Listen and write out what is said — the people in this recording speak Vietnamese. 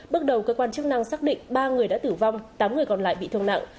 bước đầu cơ quan chức năng xác định ba người đã tử vong tám người còn lại bị thương nặng